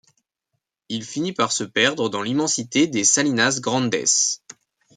Il finit par se perdre dans l'immensité des Salinas Grandes.